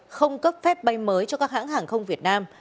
cục hàng không việt nam đã cấp phép bay mới cho các hãng hàng không việt nam